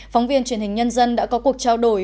phóng viên truyền hình nhân dân đã có cuộc trao đổi